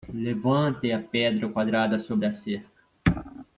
Levante a pedra quadrada sobre a cerca.